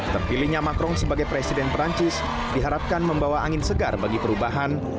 terpilihnya macron sebagai presiden perancis diharapkan membawa angin segar bagi perubahan